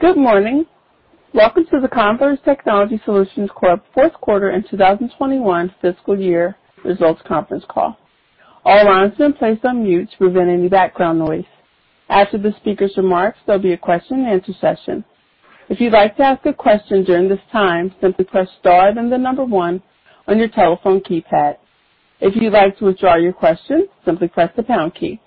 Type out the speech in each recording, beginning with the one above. Good morning. Welcome to the Converge Technology Solutions Corp. fourth quarter in 2021 fiscal year results conference call. All lines have been placed on mute to prevent any background noise. After the speaker's remarks, there'll be a question and answer session. If you'd like to ask a question during this time, simply press star then the number one on your telephone keypad. If you'd like to withdraw your question, simply press the pound key.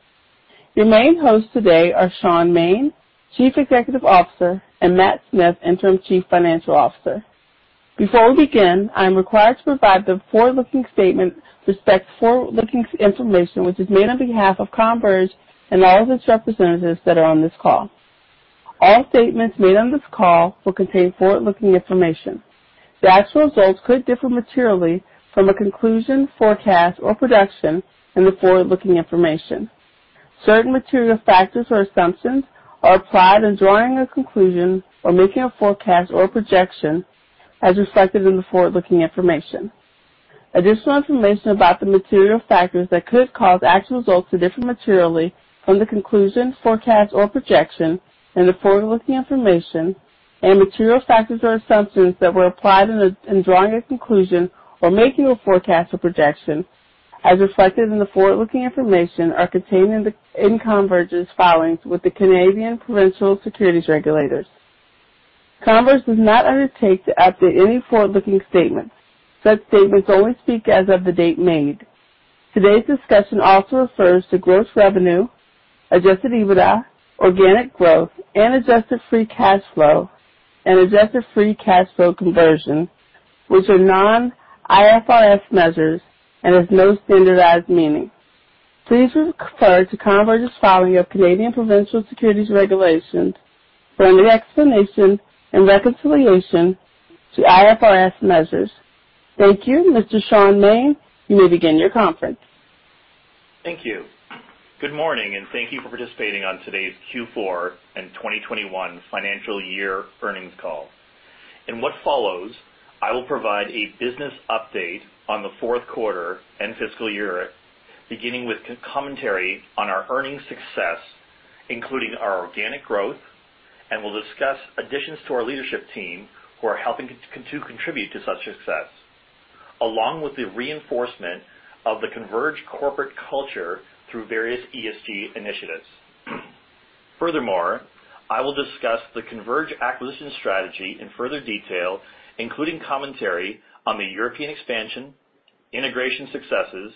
Your main hosts today are Shaun Maine, Chief Executive Officer, and Matt Smith, Interim Chief Financial Officer. Before we begin, I'm required to provide the forward-looking statement with respect to forward-looking information which is made on behalf of Converge and all of its representatives that are on this call. All statements made on this call will contain forward-looking information. The actual results could differ materially from a conclusion, forecast, or projection in the forward-looking information. Certain material factors or assumptions are applied in drawing a conclusion or making a forecast or projection as reflected in the forward-looking information. Additional information about the material factors that could cause actual results to differ materially from the conclusion, forecast, or projection in the forward-looking information and material factors or assumptions that were applied in drawing a conclusion or making a forecast or projection, as reflected in the forward-looking information, are contained in Converge's filings with the Canadian Provincial Securities Regulators. Converge does not undertake to update any forward-looking statements. Such statements only speak as of the date made. Today's discussion also refers to gross revenue, adjusted EBITDA, organic growth, and adjusted free cash flow, and adjusted free cash flow conversion, which are non-IFRS measures and has no standardized meaning. Please refer to Converge's filing of Canadian Provincial Securities Regulators for any explanation and reconciliation to IFRS measures. Thank you. Mr. Shaun Maine, you may begin your conference. Thank you. Good morning, and thank you for participating on today's Q4 and 2021 financial year earnings call. In what follows, I will provide a business update on the fourth quarter and fiscal year, beginning with commentary on our earnings success, including our organic growth, and we'll discuss additions to our leadership team who are helping to contribute to such success, along with the reinforcement of the Converge corporate culture through various ESG initiatives. Furthermore, I will discuss the Converge acquisition strategy in further detail, including commentary on the European expansion, integration successes,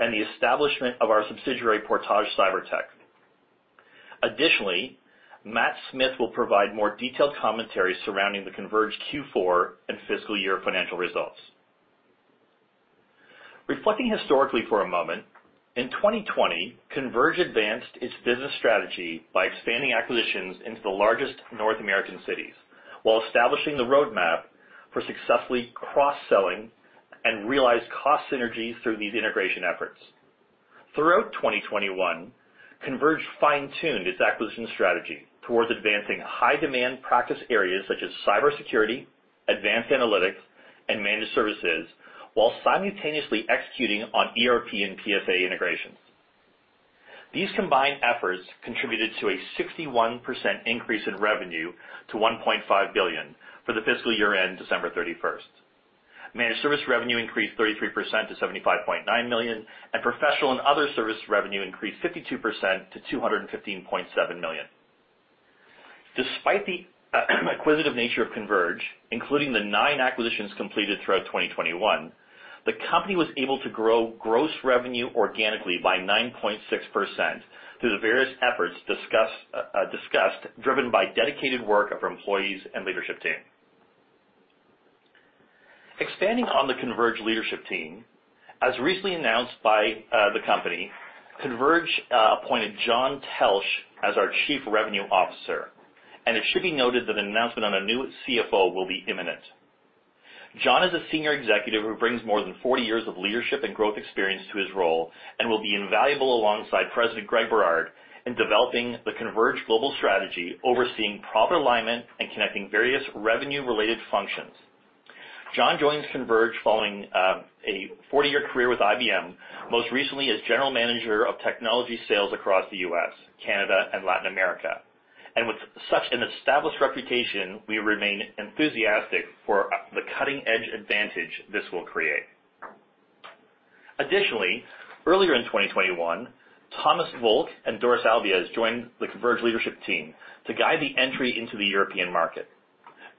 and the establishment of our subsidiary, Portage CyberTech. Additionally, Matt Smith will provide more detailed commentary surrounding the Converge Q4 and fiscal year financial results. Reflecting historically for a moment, in 2020, Converge advanced its business strategy by expanding acquisitions into the largest North American cities while establishing the roadmap for successfully cross-selling and realized cost synergies through these integration efforts. Throughout 2021, Converge fine-tuned its acquisition strategy towards advancing high-demand practice areas such as cybersecurity, advanced analytics, and managed services, while simultaneously executing on ERP and PSA integrations. These combined efforts contributed to a 61% increase in revenue to 1.5 billion for the fiscal year end, December 31st. Managed service revenue increased 33% to 75.9 million, and professional and other service revenue increased 52% to 215.7 million. Despite the acquisitive nature of Converge, including the nine acquisitions completed throughout 2021, the company was able to grow gross revenue organically by 9.6% through the various efforts discussed, driven by dedicated work of our employees and leadership team. Expanding on the Converge leadership team, as recently announced by the company, Converge appointed John Teltsch as our Chief Revenue Officer, and it should be noted that an announcement on a new CFO will be imminent. John is a senior executive who brings more than 40 years of leadership and growth experience to his role and will be invaluable alongside President Greg Berard in developing the Converge global strategy, overseeing proper alignment and connecting various revenue-related functions. John joins Converge following a 40-year career with IBM, most recently as General Manager of Technology Sales across the U.S., Canada, and Latin America. With such an established reputation, we remain enthusiastic for the cutting-edge advantage this will create. Additionally, earlier in 2021, Thomas Volk and Doris Albiez joined the Converge leadership team to guide the entry into the European market.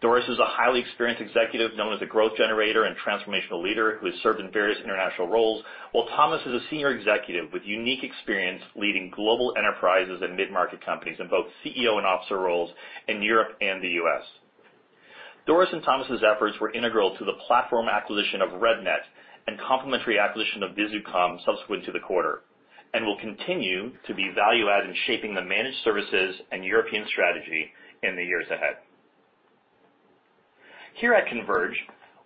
Doris is a highly experienced executive, known as a growth generator and transformational leader, who has served in various international roles, while Thomas is a senior executive with unique experience leading global enterprises and mid-market companies in both CEO and officer roles in Europe and the U.S. Doris Albiez and Thomas Volk's efforts were integral to the platform acquisition of REDNET and complementary acquisition of Visucom subsequent to the quarter, and will continue to be value-add in shaping the managed services and European strategy in the years ahead. Here at Converge,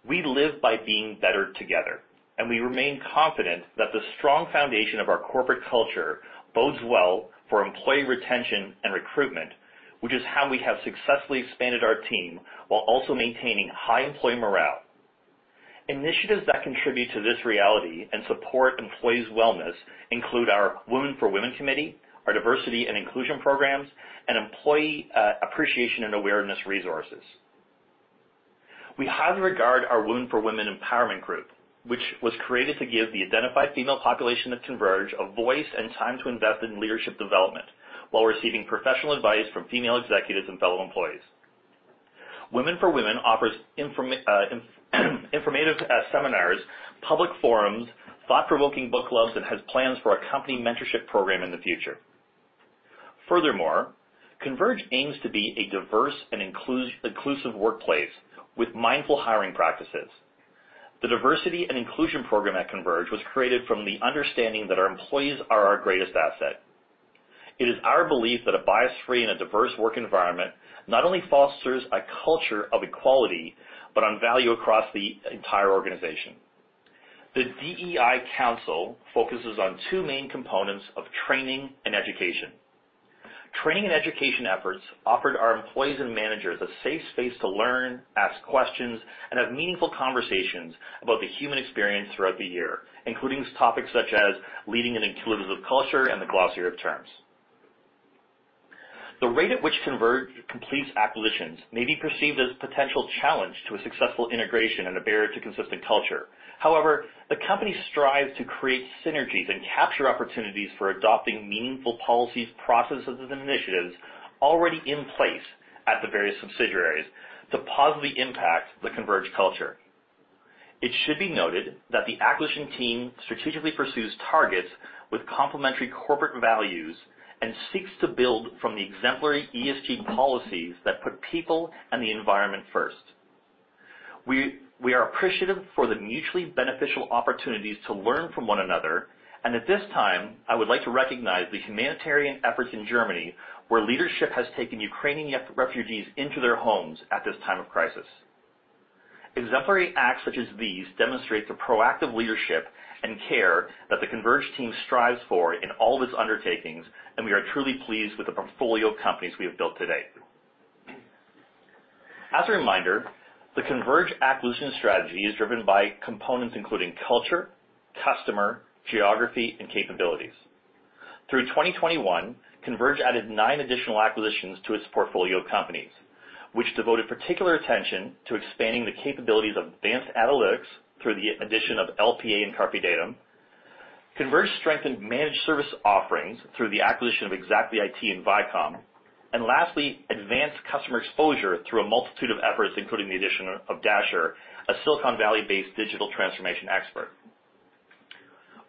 we live by being better together, and we remain confident that the strong foundation of our corporate culture bodes well for employee retention and recruitment, which is how we have successfully expanded our team while also maintaining high employee morale. Initiatives that contribute to this reality and support employees' wellness include our Women for Women committee, our diversity and inclusion programs, and employee appreciation and awareness resources. We highly regard our Women for Women empowerment group, which was created to give the identified female population of Converge a voice and time to invest in leadership development while receiving professional advice from female executives and fellow employees. Women for Women offers informative seminars, public forums, thought-provoking book clubs, and has plans for a company mentorship program in the future. Furthermore, Converge aims to be a diverse and inclusive workplace with mindful hiring practices. The diversity and inclusion program at Converge was created from the understanding that our employees are our greatest asset. It is our belief that a bias-free and a diverse work environment not only fosters a culture of equality, but adds value across the entire organization. The DEI council focuses on two main components of training and education. Training and education efforts offered our employees and managers a safe space to learn, ask questions, and have meaningful conversations about the human experience throughout the year, including topics such as leading an inclusive culture and the glossary of terms. The rate at which Converge completes acquisitions may be perceived as potential challenge to a successful integration and a barrier to consistent culture. However, the company strives to create synergies and capture opportunities for adopting meaningful policies, processes, and initiatives already in place at the various subsidiaries to positively impact the Converge culture. It should be noted that the acquisition team strategically pursues targets with complementary corporate values and seeks to build from the exemplary ESG policies that put people and the environment first. We are appreciative for the mutually beneficial opportunities to learn from one another, and at this time, I would like to recognize the humanitarian efforts in Germany, where leadership has taken Ukrainian refugees into their homes at this time of crisis. Exemplary acts such as these demonstrate the proactive leadership and care that the Converge team strives for in all of its undertakings, and we are truly pleased with the portfolio of companies we have built to date. As a reminder, the Converge acquisition strategy is driven by components including culture, customer, geography, and capabilities. Through 2021, Converge added nine additional acquisitions to its portfolio of companies, which devoted particular attention to expanding the capabilities of advanced analytics through the addition of LPA and CarpeDatum. Converge strengthened managed service offerings through the acquisition of ExactlyIT and Vicom Infinity, and lastly, advanced customer exposure through a multitude of efforts, including the addition of Dasher Technologies, a Silicon Valley-based digital transformation expert.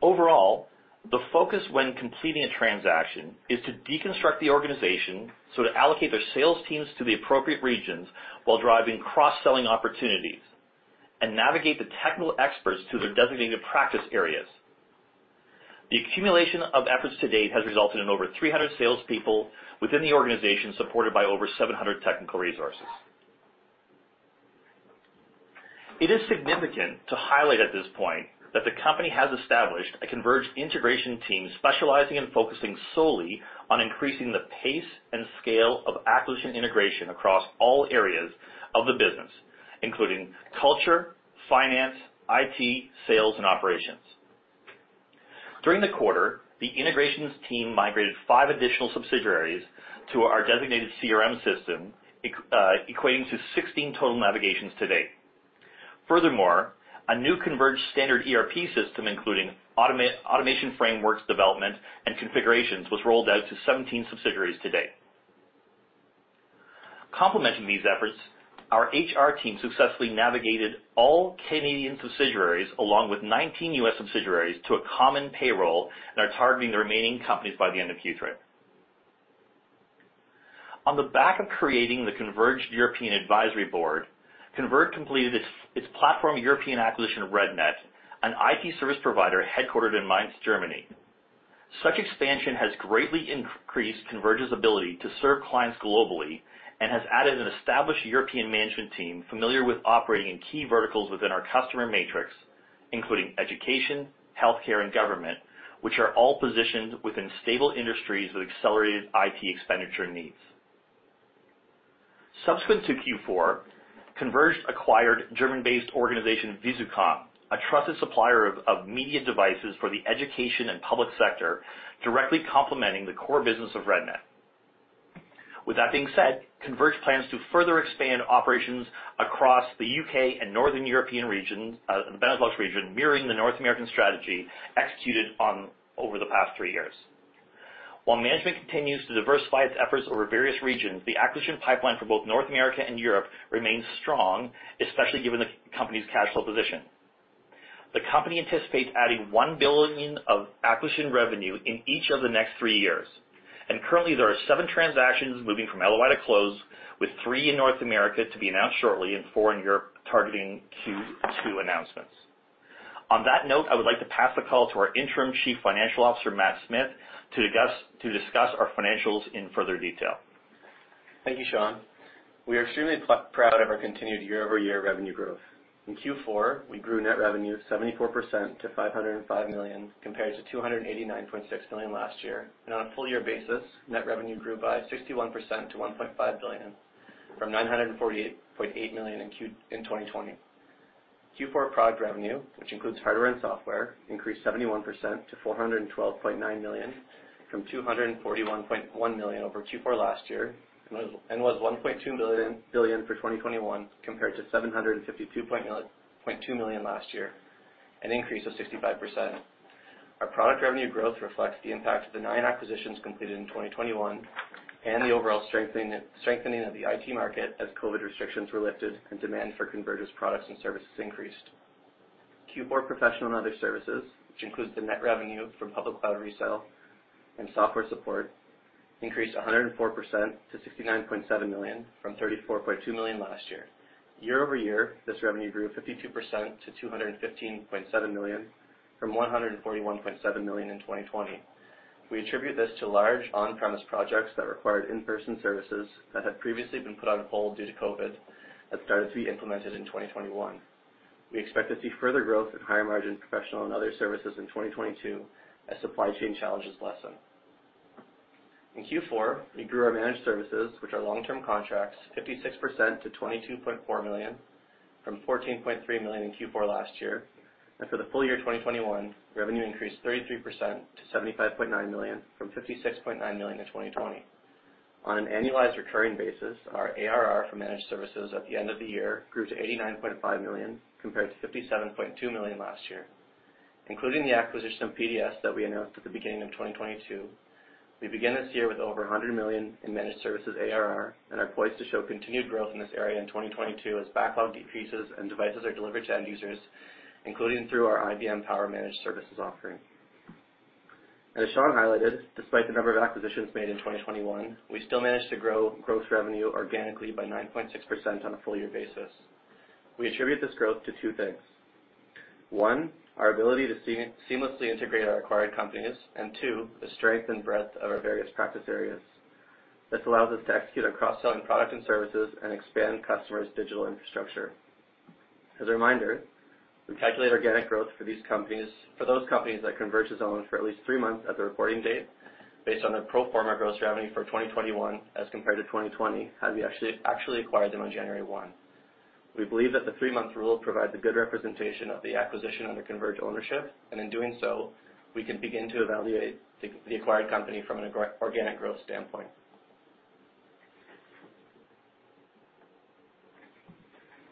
Overall, the focus when completing a transaction is to deconstruct the organization so to allocate their sales teams to the appropriate regions while driving cross-selling opportunities and navigate the technical experts to their designated practice areas. The accumulation of efforts to date has resulted in over 300 salespeople within the organization, supported by over 700 technical resources. It is significant to highlight at this point that the company has established a Converge integration team specializing and focusing solely on increasing the pace and scale of acquisition integration across all areas of the business, including culture, finance, IT, sales, and operations. During the quarter, the integration team migrated five additional subsidiaries to our designated CRM system, equating to 16 total migrations to date. Furthermore, a new Converge standard ERP system, including automation frameworks development and configurations, was rolled out to 17 subsidiaries to date. Complementing these efforts, our HR team successfully navigated all Canadian subsidiaries along with 19 U.S. subsidiaries to a common payroll and are targeting the remaining companies by the end of Q3. On the back of creating the Converge European Advisory Board, Converge completed its platform European acquisition of REDNET, an IT service provider headquartered in Mainz, Germany. Such expansion has greatly increased Converge's ability to serve clients globally and has added an established European management team familiar with operating in key verticals within our customer matrix, including education, healthcare, and government, which are all positioned within stable industries with accelerated IT expenditure needs. Subsequent to Q4, Converge acquired German-based organization Visucom, a trusted supplier of media devices for the education and public sector, directly complementing the core business of REDNET. With that being said, Converge plans to further expand operations across the U.K. and Northern European region, the Benelux region, mirroring the North American strategy executed over the past three years. While management continues to diversify its efforts over various regions, the acquisition pipeline for both North America and Europe remains strong, especially given the company's cash flow position. The company anticipates adding 1 billion of acquisition revenue in each of the next three years, and currently, there are seven transactions moving from LOI to close, with three in North America to be announced shortly and four in Europe targeting Q2 announcements. On that note, I would like to pass the call to our Interim Chief Financial Officer, Matt Smith, to discuss our financials in further detail. Thank you, Shaun. We are extremely proud of our continued year-over-year revenue growth. In Q4, we grew net revenue 74% to 505 million, compared to 289.6 million last year. On a full year basis, net revenue grew by 61% to 1.5 billion, from 948.8 million in 2020. Q4 product revenue, which includes hardware and software, increased 71% to 412.9 million from 241.1 million over Q4 last year, and was 1.2 billion for 2021 compared to 752.2 million last year, an increase of 65%. Our product revenue growth reflects the impact of the nine acquisitions completed in 2021 and the overall strengthening of the IT market as COVID restrictions were lifted and demand for Converge's products and services increased. Q4 professional and other services, which includes the net revenue from public cloud resale and software support, increased 104% to 69.7 million from 34.2 million last year. Year-over-year, this revenue grew 52% to 215.7 million from 141.7 million in 2020. We attribute this to large on-premise projects that required in-person services that had previously been put on hold due to COVID that started to be implemented in 2021. We expect to see further growth in higher margin professional and other services in 2022 as supply chain challenges lessen. In Q4, we grew our managed services, which are long-term contracts, 56% to 22.4 million from 14.3 million in Q4 last year. For the full year 2021, revenue increased 33% to 75.9 million, from 56.9 million in 2020. On an annualized recurring basis, our ARR for managed services at the end of the year grew to 89.5 million, compared to 57.2 million last year. Including the acquisition of PDS that we announced at the beginning of 2022, we begin this year with over 100 million in managed services ARR and are poised to show continued growth in this area in 2022 as backlog decreases and devices are delivered to end users, including through our IBM Power Managed Services offering. As Shaun highlighted, despite the number of acquisitions made in 2021, we still managed to grow gross revenue organically by 9.6% on a full-year basis. We attribute this growth to two things. One, our ability to seamlessly integrate our acquired companies, and two, the strength and breadth of our various practice areas. This allows us to execute on cross-sell and product and services and expand customers' digital infrastructure. As a reminder, we calculate organic growth for these companies, for those companies that Converge has owned for at least three months at the reporting date, based on their pro forma gross revenue for 2021 as compared to 2020, had we actually acquired them on January 1. We believe that the three-month rule provides a good representation of the acquisition under Converge ownership, and in doing so, we can begin to evaluate the acquired company from an organic growth standpoint.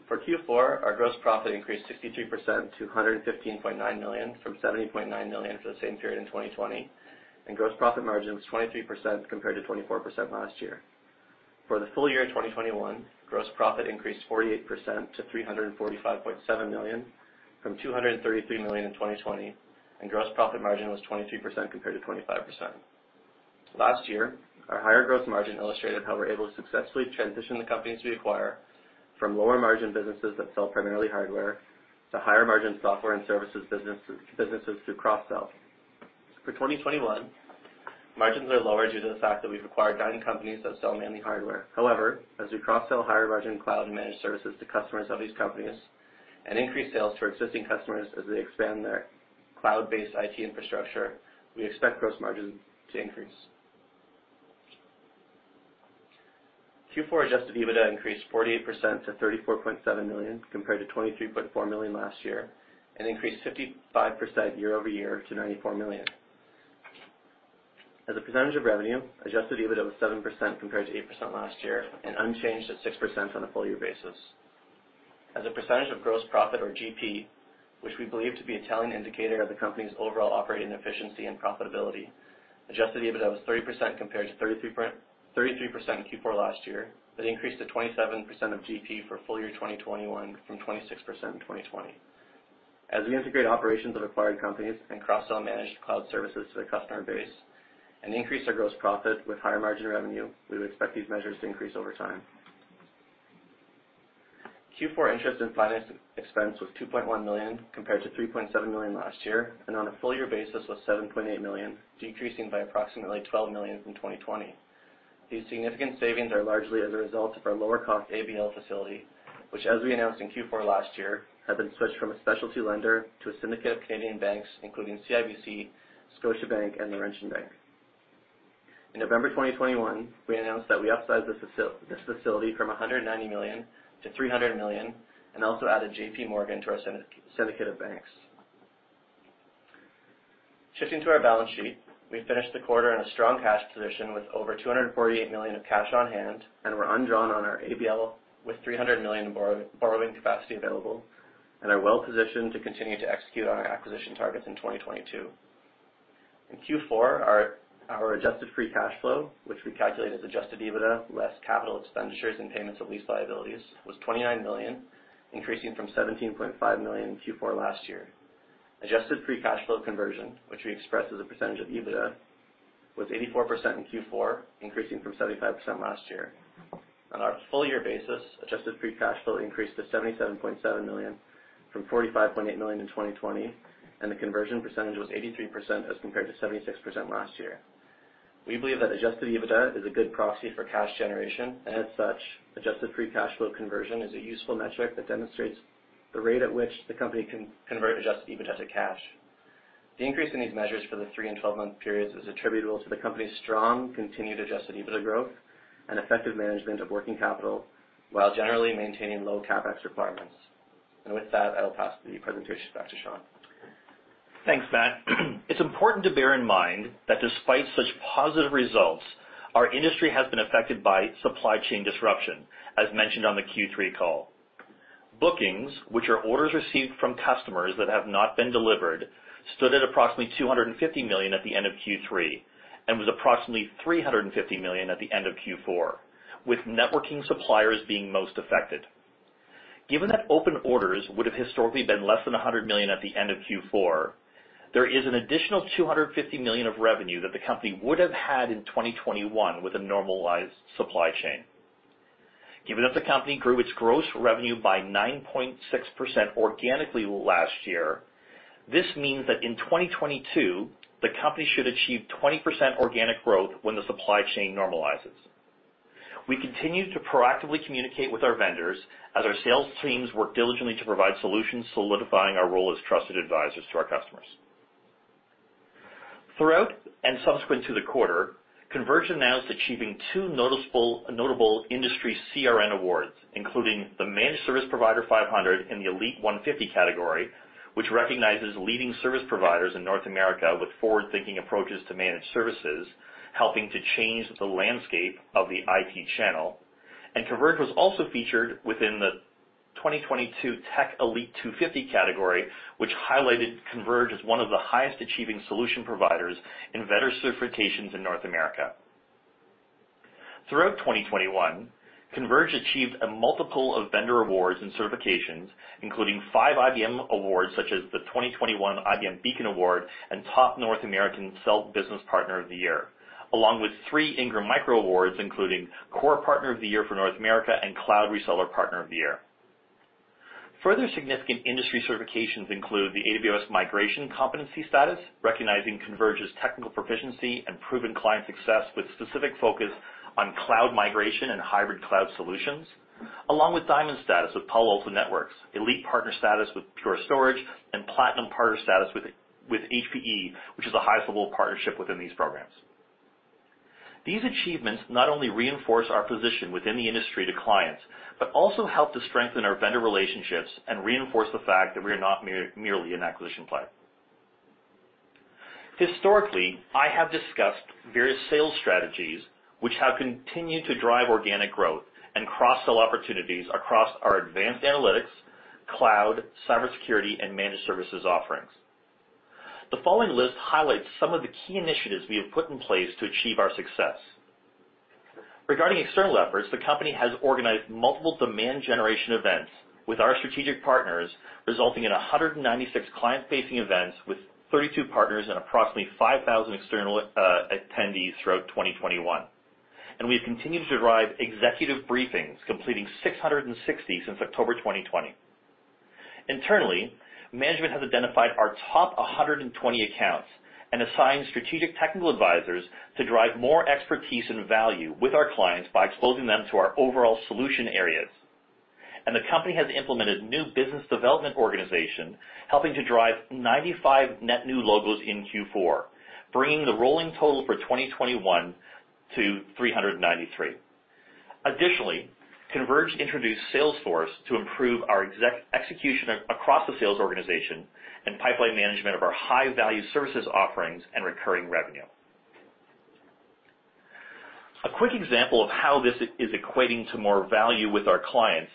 For Q4, our gross profit increased 63% to 115.9 million from 70.9 million for the same period in 2020, and gross profit margin was 23% compared to 24% last year. For the full year 2021, gross profit increased 48% to 345.7 million from 233 million in 2020, and gross profit margin was 23% compared to 25%. Last year, our higher gross margin illustrated how we're able to successfully transition the companies we acquire from lower margin businesses that sell primarily hardware to higher margin software and services businesses through cross-sell. For 2021, margins are lower due to the fact that we've acquired nine companies that sell mainly hardware. However, as we cross-sell higher margin cloud and managed services to customers of these companies and increase sales to our existing customers as they expand their cloud-based IT infrastructure, we expect gross margin to increase. Q4 adjusted EBITDA increased 48% to 34.7 million, compared to 23.4 million last year, and increased 55% year-over-year to 94 million. As a percentage of revenue, adjusted EBITDA was 7% compared to 8% last year and unchanged at 6% on a full year basis. As a percentage of gross profit or GP, which we believe to be a telling indicator of the company's overall operating efficiency and profitability, adjusted EBITDA was 30% compared to 33%, 33% in Q4 last year, but increased to 27% of GP for full year 2021 from 26% in 2020. As we integrate operations of acquired companies and cross-sell managed cloud services to the customer base and increase our gross profit with higher margin revenue, we would expect these measures to increase over time. Q4 interest and finance expense was 2.1 million, compared to 3.7 million last year, and on a full year basis was 7.8 million, decreasing by approximately 12 million from 2020. These significant savings are largely as a result of our lower cost ABL facility, which, as we announced in Q4 last year, have been switched from a specialty lender to a syndicate of Canadian banks, including CIBC, Scotiabank, and Laurentian Bank. In November 2021, we announced that we upsized this facility from 190 million to 300 million and also added J.P. Morgan to our syndicate of banks. Shifting to our balance sheet, we finished the quarter in a strong cash position with over 248 million of cash on hand and were undrawn on our ABL with 300 million borrowing capacity available and are well positioned to continue to execute on our acquisition targets in 2022. In Q4, our adjusted free cash flow, which we calculate as adjusted EBITDA less capital expenditures and payments of lease liabilities, was 29 million, increasing from 17.5 million in Q4 last year. Adjusted free cash flow conversion, which we express as a percentage of EBITDA, was 84% in Q4, increasing from 75% last year. On our full year basis, adjusted free cash flow increased to 77.7 million from 45.8 million in 2020, and the conversion percentage was 83% as compared to 76% last year. We believe that adjusted EBITDA is a good proxy for cash generation, and as such, adjusted free cash flow conversion is a useful metric that demonstrates the rate at which the company can convert adjusted EBITDA to cash. The increase in these measures for the three- and 12-month periods is attributable to the company's strong continued adjusted EBITDA growth and effective management of working capital, while generally maintaining low CapEx requirements. With that, I will pass the presentation back to Shaun. Thanks, Matt. It's important to bear in mind that despite such positive results, our industry has been affected by supply chain disruption, as mentioned on the Q3 call. Bookings, which are orders received from customers that have not been delivered, stood at approximately 250 million at the end of Q3, and was approximately 350 million at the end of Q4, with networking suppliers being most affected. Given that open orders would have historically been less than 100 million at the end of Q4, there is an additional 250 million of revenue that the company would have had in 2021 with a normalized supply chain. Given that the company grew its gross revenue by 9.6% organically last year, this means that in 2022, the company should achieve 20% organic growth when the supply chain normalizes. We continue to proactively communicate with our vendors as our sales teams work diligently to provide solutions solidifying our role as trusted advisors to our customers. Throughout and subsequent to the quarter, Converge announced achieving two notable industry CRN awards, including the Managed Service Provider 500 in the Elite 150 category, which recognizes leading service providers in North America with forward-thinking approaches to managed services, helping to change the landscape of the IT channel. Converge was also featured within the 2022 Tech Elite 250 category, which highlighted Converge as one of the highest achieving solution providers in vendor certifications in North America. Throughout 2021, Converge achieved a multiple of vendor awards and certifications, including five IBM awards, such as the 2021 IBM Beacon Award and Top North American Sell Business Partner of the Year, along with three Ingram Micro awards, including Core Partner of the Year for North America and Cloud Reseller Partner of the Year. Further significant industry certifications include the AWS Migration Competency, recognizing Converge's technical proficiency and proven client success with specific focus on cloud migration and hybrid cloud solutions, along with Diamond Status with Palo Alto Networks, Elite Partner Status with Pure Storage, and Platinum Partner Status with HPE, which is the highest level of partnership within these programs. These achievements not only reinforce our position within the industry to clients, but also help to strengthen our vendor relationships and reinforce the fact that we are not merely an acquisition play. Historically, I have discussed various sales strategies which have continued to drive organic growth and cross-sell opportunities across our advanced analytics, cloud, cybersecurity, and managed services offerings. The following list highlights some of the key initiatives we have put in place to achieve our success. Regarding external efforts, the company has organized multiple demand generation events with our strategic partners, resulting in 196 client-facing events with 32 partners and approximately 5,000 external attendees throughout 2021. We've continued to drive executive briefings, completing 660 since October 2020. Internally, management has identified our top 120 accounts and assigned strategic technical advisors to drive more expertise and value with our clients by exposing them to our overall solution areas. The company has implemented new business development organization, helping to drive 95 net new logos in Q4, bringing the rolling total for 2021 to 393. Additionally, Converge introduced Salesforce to improve our execution across the sales organization and pipeline management of our high-value services offerings and recurring revenue. A quick example of how this is equating to more value with our clients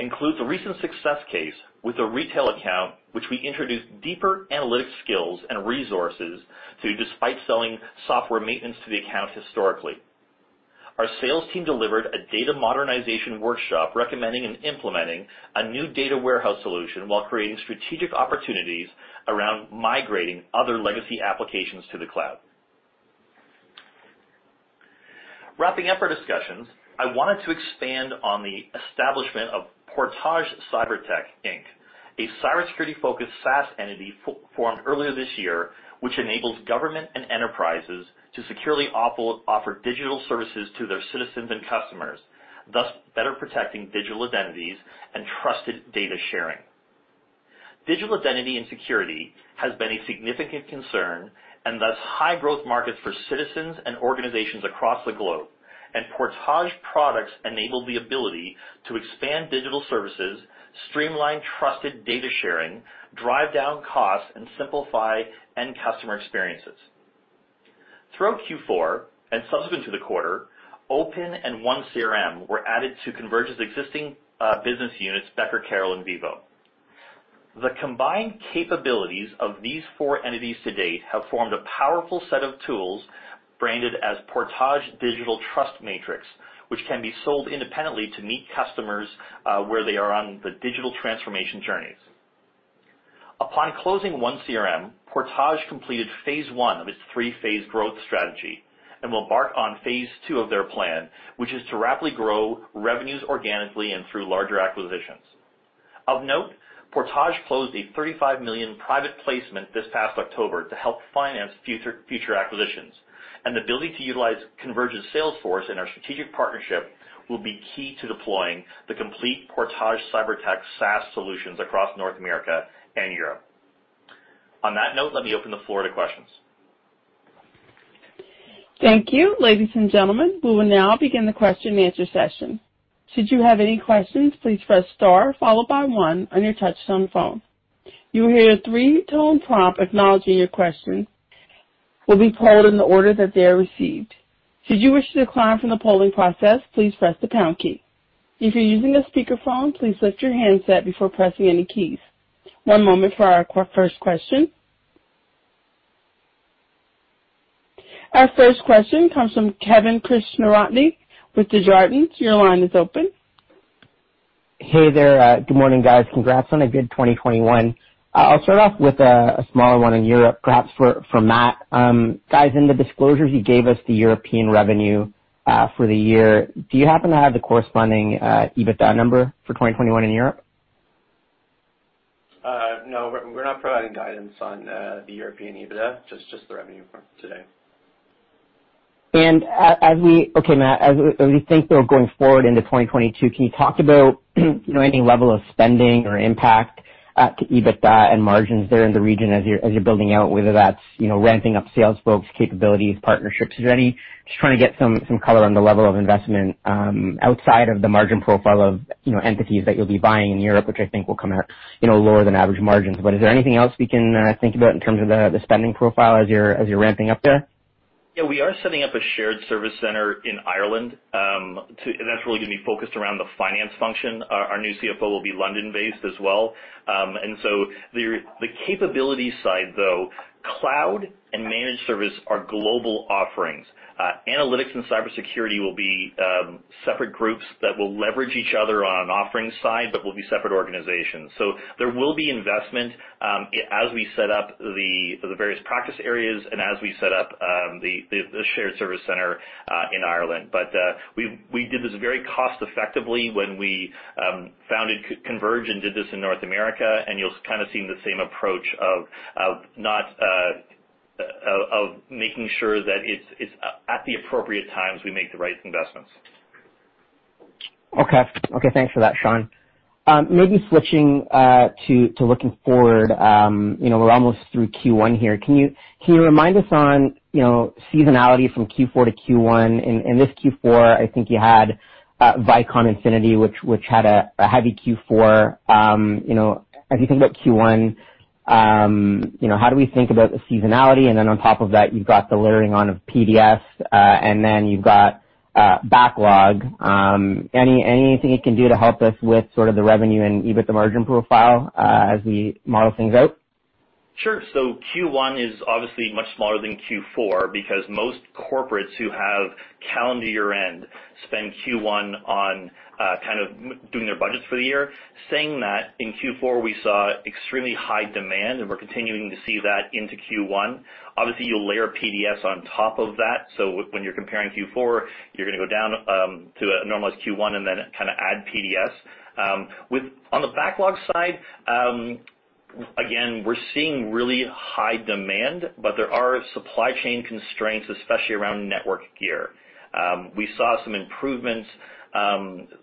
includes a recent success case with a retail account which we introduced deeper analytics skills and resources to despite selling software maintenance to the account historically. Our sales team delivered a data modernization workshop recommending and implementing a new data warehouse solution while creating strategic opportunities around migrating other legacy applications to the cloud. Wrapping up our discussions, I wanted to expand on the establishment of Portage CyberTech, Inc., a cybersecurity-focused SaaS entity formed earlier this year, which enables government and enterprises to securely offer digital services to their citizens and customers, thus better protecting digital identities and trusted data sharing. Digital identity and security has been a significant concern and thus high-growth markets for citizens and organizations across the globe. Portage products enable the ability to expand digital services, streamline trusted data sharing, drive down costs, and simplify end customer experiences. Throughout Q4, and subsequent to the quarter, OPIN and 1CRM were added to Converge's existing business units, Becker-Carroll, and Vivvo. The combined capabilities of these four entities to date have formed a powerful set of tools branded as Portage Digital Trust Matrix, which can be sold independently to meet customers where they are on the digital transformation journeys. Upon closing 1CRM, Portage completed phase one of its three-phase growth strategy and will embark on phase two of their plan, which is to rapidly grow revenues organically and through larger acquisitions. Of note, Portage closed a 35 million private placement this past October to help finance future acquisitions. The ability to utilize Converge's sales force in our strategic partnership will be key to deploying the complete Portage CyberTech SaaS solutions across North America and Europe. On that note, let me open the floor to questions. Thank you. Ladies and gentlemen, we will now begin the question-and-answer session. Should you have any questions, please press star followed by one on your touchtone phone. You will hear a three-tone prompt acknowledging that your question will be polled in the order that they are received. Should you wish to decline from the polling process, please press the pound key. If you're using a speakerphone, please lift your handset before pressing any keys. One moment for our first question. Our first question comes from Kevin Krishnaratne with Desjardins. Your line is open. Hey there. Good morning, guys. Congrats on a good 2021. I'll start off with a smaller one in Europe, perhaps from Matt. Guys, in the disclosures, you gave us the European revenue for the year. Do you happen to have the corresponding EBITDA number for 2021 in Europe? No, we're not providing guidance on the European EBITDA, just the revenue for today. Matt, as we think, though, going forward into 2022, can you talk about, you know, any level of spending or impact to EBITDA and margins there in the region as you're building out, whether that's, you know, ramping up sales folks, capabilities, partnerships. Is there any? Just trying to get some color on the level of investment outside of the margin profile of, you know, entities that you'll be buying in Europe, which I think will come at, you know, lower than average margins. But is there anything else we can think about in terms of the spending profile as you're ramping up there? Yeah, we are setting up a shared service center in Ireland, and that's really gonna be focused around the finance function. Our new CFO will be London-based as well. The capability side, though, cloud and managed service are global offerings. Analytics and cybersecurity will be separate groups that will leverage each other on an offering side but will be separate organizations. There will be investment as we set up the various practice areas and as we set up the shared service center in Ireland. We did this very cost effectively when we founded Converge, did this in North America, and you'll kind of see the same approach of making sure that it's at the appropriate times, we make the right investments. Okay, thanks for that, Shaun. Maybe switching to looking forward, you know, we're almost through Q1 here. Can you remind us on, you know, seasonality from Q4 to Q1? In this Q4, I think you had Vicom Infinity, which had a heavy Q4. You know, as you think about Q1, you know, how do we think about the seasonality? And then on top of that, you've got the layering on of PDS, and then you've got backlog. Anything you can do to help us with sort of the revenue and EBITDA margin profile, as we model things out? Sure. Q1 is obviously much smaller than Q4 because most corporates who have calendar year-end spend Q1 on kind of doing their budgets for the year. Saying that, in Q4, we saw extremely high demand, and we're continuing to see that into Q1. Obviously, you'll layer PDS on top of that. When you're comparing Q4, you're gonna go down to a normalized Q1 and then kinda add PDS. On the backlog side, again, we're seeing really high demand, but there are supply chain constraints, especially around network gear. We saw some improvements,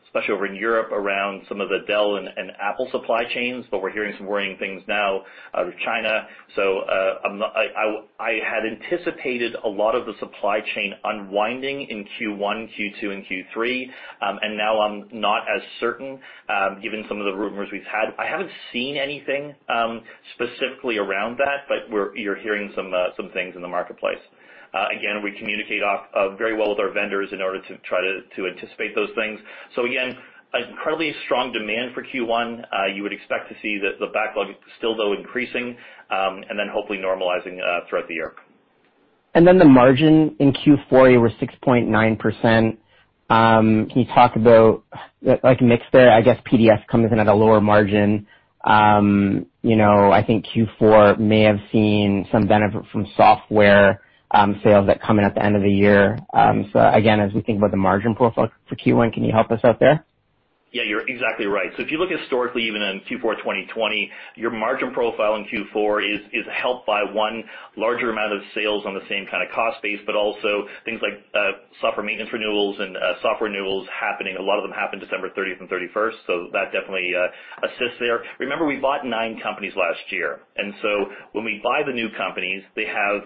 especially over in Europe, around some of the Dell and Apple supply chains, but we're hearing some worrying things now out of China. I had anticipated a lot of the supply chain unwinding in Q1, Q2, and Q3, and now I'm not as certain, given some of the rumors we've had. I haven't seen anything, specifically around that, but you're hearing some things in the marketplace. Again, we communicate often very well with our vendors in order to try to anticipate those things. Again, incredibly strong demand for Q1. You would expect to see the backlog still, though, increasing, and then hopefully normalizing throughout the year. Then the margin in Q4, you were 6.9%. Can you talk about like mix there? I guess PDS comes in at a lower margin. You know, I think Q4 may have seen some benefit from software sales that come in at the end of the year. Again, as we think about the margin profile for Q1, can you help us out there? Yeah, you're exactly right. If you look historically, even in Q4 2020, your margin profile in Q4 is helped by, one, larger amount of sales on the same kinda cost base, but also things like software maintenance renewals and software renewals happening. A lot of them happened December thirtieth and thirty-first, so that definitely assists there. Remember, we bought nine companies last year. When we buy the new companies, they have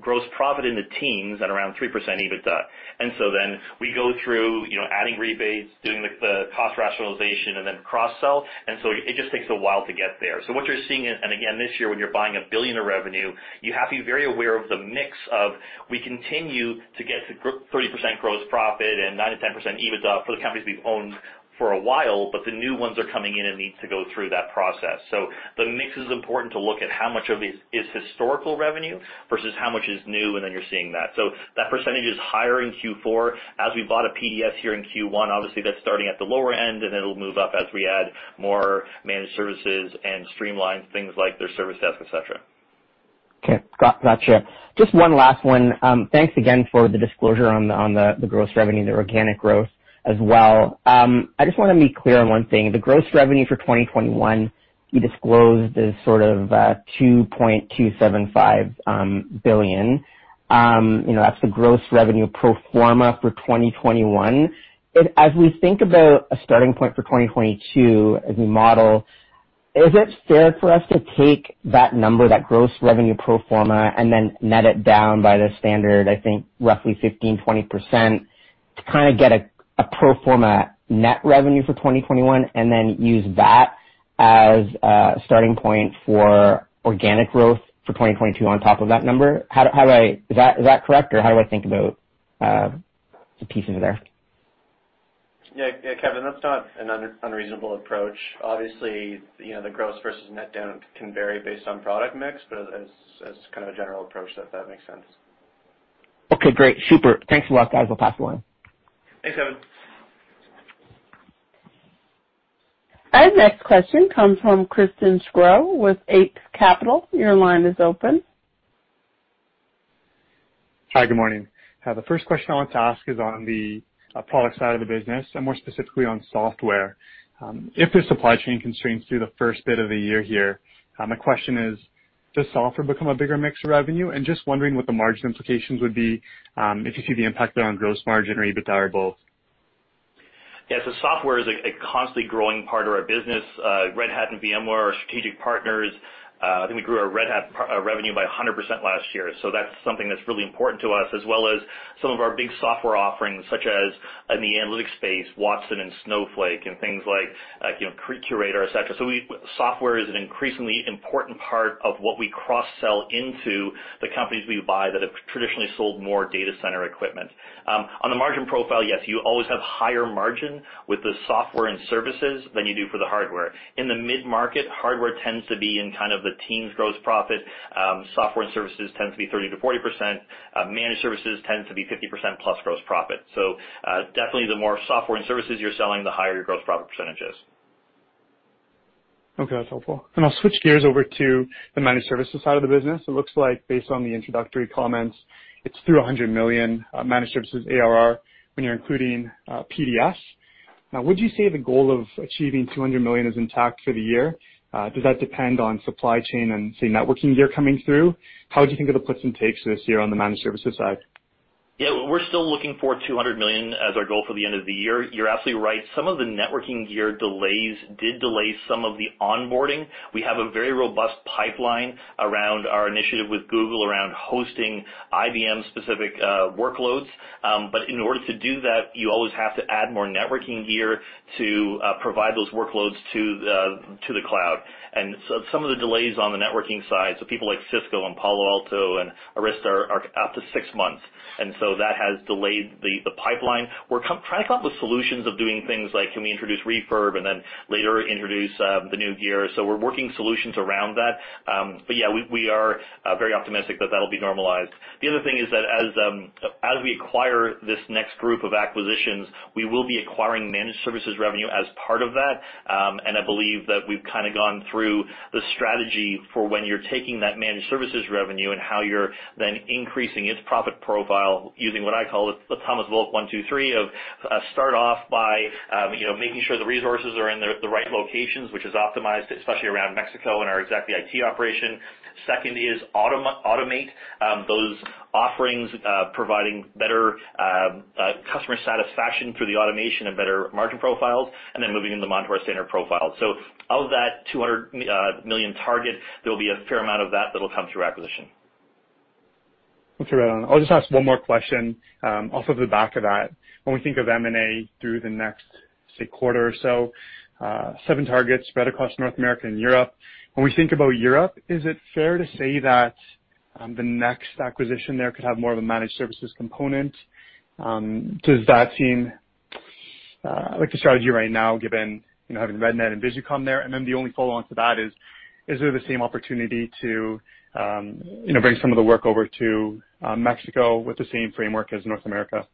gross profit in the teens at around 3% EBITDA. We go through, you know, adding rebates, doing the cost rationalization, and then cross-sell. It just takes a while to get there. What you're seeing, and again, this year, when you're buying 1 billion of revenue, you have to be very aware of the mix of we continue to get to 30% gross profit and 9%-10% EBITDA for the companies we've owned for a while, but the new ones are coming in and need to go through that process. The mix is important to look at how much of it is historical revenue versus how much is new, and then you're seeing that. That percentage is higher in Q4. As we bought a PDS here in Q1, obviously that's starting at the lower end, and it'll move up as we add more managed services and streamline things like their service desk, et cetera. Okay. Gotcha. Just one last one. Thanks again for the disclosure on the gross revenue, the organic growth as well. I just wanna be clear on one thing. The gross revenue for 2021 you disclosed is sort of 2.275 billion. You know, that's the gross revenue pro forma for 2021. As we think about a starting point for 2022 as we model, is it fair for us to take that number, that gross revenue pro forma, and then net it down by the standard, I think roughly 15%-20% to kinda get a pro forma net revenue for 2021 and then use that as a starting point for organic growth for 2022 on top of that number? How do I, is that correct, or how do I think about the pieces there? Yeah. Yeah, Kevin, that's not an unreasonable approach. Obviously, you know, the gross versus net down can vary based on product mix, but as kind of a general approach that makes sense. Okay, great. Super. Thanks a lot, guys. I'll pass the line. Thanks, Kevin. Our next question comes from Christian Sgro with Eight Capital. Your line is open. Hi, good morning. The first question I want to ask is on the product side of the business and more specifically on software. If there's supply chain constraints through the first bit of the year here, my question is, does software become a bigger mix of revenue? Just wondering what the margin implications would be, if you see the impact there on gross margin or EBITDA both. Yeah. Software is a constantly growing part of our business. Red Hat and VMware are strategic partners. I think we grew our Red Hat revenue by 100% last year, so that's something that's really important to us, as well as some of our big software offerings, such as in the analytics space, Watson and Snowflake and things like, you know, Curator, et cetera. Software is an increasingly important part of what we cross-sell into the companies we buy that have traditionally sold more data center equipment. On the margin profile, yes, you always have higher margin with the software and services than you do for the hardware. In the mid-market, hardware tends to be in kind of the teens gross profit. Software and services tend to be 30%-40%. Managed services tend to be 50% plus gross profit. Definitely the more software and services you're selling, the higher your gross profit percentage is. Okay, that's helpful. I'll switch gears over to the managed services side of the business. It looks like based on the introductory comments, it's through 100 million managed services ARR when you're including PDS. Now, would you say the goal of achieving 200 million is intact for the year? Does that depend on supply chain and, say, networking gear coming through? How do you think of the puts and takes this year on the managed services side? Yeah. We're still looking for 200 million as our goal for the end of the year. You're absolutely right. Some of the networking gear delays did delay some of the onboarding. We have a very robust pipeline around our initiative with Google around hosting IBM-specific workloads. In order to do that, you always have to add more networking gear to provide those workloads to the cloud. Some of the delays on the networking side, so people like Cisco and Palo Alto and Arista are up to six months, and so that has delayed the pipeline. We're trying to come up with solutions of doing things like can we introduce refurb and then later introduce the new gear. We're working solutions around that. Yeah, we are very optimistic that that'll be normalized. The other thing is that as we acquire this next group of acquisitions, we will be acquiring managed services revenue as part of that. I believe that we've kinda gone through the strategy for when you're taking that managed services revenue and how you're then increasing its profit profile using what I call the Thomas Volk one, two, three of start off by you know making sure the resources are in the right locations, which is optimized especially around Mexico and our ExactlyIT operation. Second is automate those offerings providing better customer satisfaction through the automation and better margin profiles, and then moving them onto our standard profile. Of that 200 million target, there'll be a fair amount of that that'll come through acquisition. Okay. I'll just ask one more question off the back of that. When we think of M&A through the next, say, quarter or so, 7 targets spread across North America and Europe, when we think about Europe, is it fair to say that the next acquisition there could have more of a managed services component? Does that seem like the strategy right now, given, you know, having REDNET and Visucom there? And then the only follow-on to that is there the same opportunity to, you know, bring some of the work over to Mexico with the same framework as North America?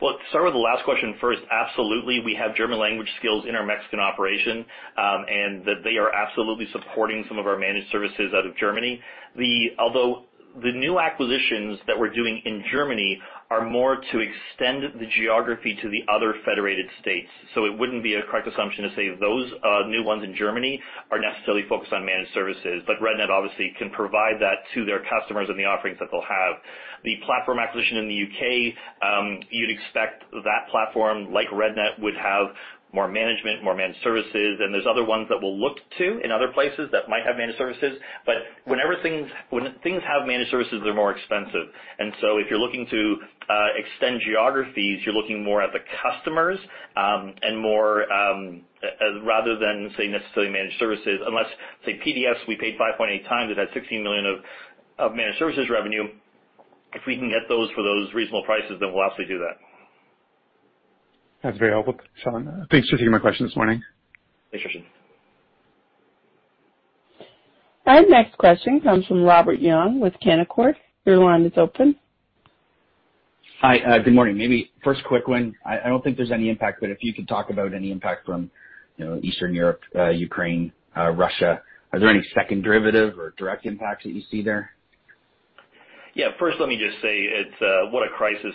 Well, to start with the last question first, absolutely. We have German language skills in our Mexican operation, and that they are absolutely supporting some of our managed services out of Germany. Although the new acquisitions that we're doing in Germany are more to extend the geography to the other federated states. It wouldn't be a correct assumption to say those new ones in Germany are necessarily focused on managed services. REDNET obviously can provide that to their customers and the offerings that they'll have. The platform acquisition in the U.K., you'd expect that platform, like REDNET, would have more management, more managed services, and there's other ones that we'll look to in other places that might have managed services. When things have managed services, they're more expensive. If you're looking to extend geographies, you're looking more at the customers, and more, rather than, say, necessarily managed services. Unless, say, PDS, we paid 5.8x, it had 16 million of managed services revenue. If we can get those for those reasonable prices, then we'll absolutely do that. That's very helpful, Shaun. Thanks for taking my question this morning. Thanks, Christian. Our next question comes from Robert Young with Canaccord. Your line is open. Hi, good morning. Maybe first quick one. I don't think there's any impact, but if you could talk about any impact from, you know, Eastern Europe, Ukraine, Russia. Are there any second derivative or direct impacts that you see there? First, let me just say it's what a crisis,